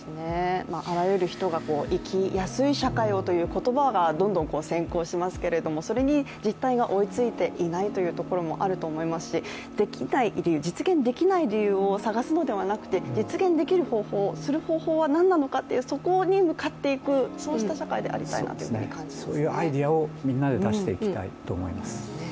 あらゆる人が生きやすい社会をという言葉がどんどん先行しますけれど、それに実態が追いついていないというところもあると思いますしできない、実現できない理由を探すのではなくて実現できる方法、する方法はなんなのかそこに向かっていく、そうした社会でありたいなと感じますね。